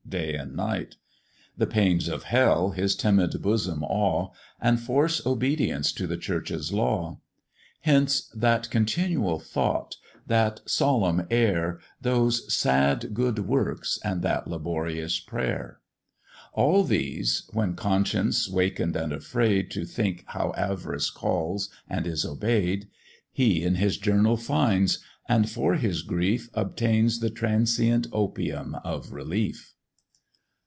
day and night; The pains of hell his timid bosom awe, And force obedience to the church's law: Hence that continual thought, that solemn air, Those sad good works, and that laborious prayer. All these (when conscience, waken'd and afraid, To think how avarice calls and is obey'd) He in his journal finds, and for his grief Obtains the transient opium of relief.